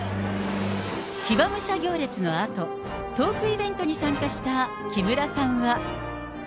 騎馬武者行列のあと、トークイベントに参加した木村さんは。